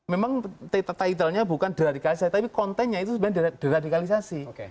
memang title nya bukan deradikalisasi tapi kontennya itu sebenarnya deradikalisasi